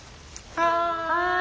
はい。